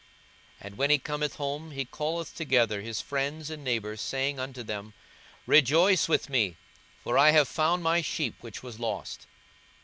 42:015:006 And when he cometh home, he calleth together his friends and neighbours, saying unto them, Rejoice with me; for I have found my sheep which was lost.